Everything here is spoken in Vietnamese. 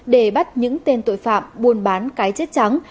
để bắt những tên tội phạm buôn bán cái chết trắng